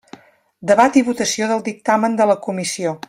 Debat i votació del dictamen de la comissió.